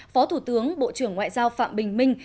phó thủ tướng bộ trưởng ngoại giao phạm bình minh